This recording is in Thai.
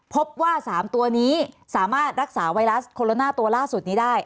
พบว่า๓ตัวนี้สามารถรักษาไวรัสโคโรนาตัวล่าสุดนี้ได้